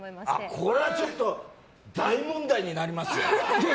これはちょっと大問題になりますよ？